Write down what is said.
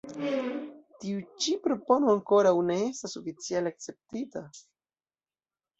Tiu ĉi propono ankoraŭ ne estas oficiale akceptita.